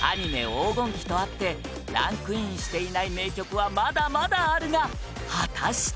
黄金期とあってランクインしていない名曲はまだまだあるが、果たして